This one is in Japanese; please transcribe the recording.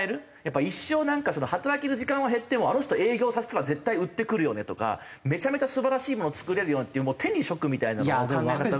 一生なんか働ける時間は減ってもあの人営業させたら絶対売ってくるよねとかめちゃめちゃ素晴らしいもの作れるよっていう手に職みたいな考え方が。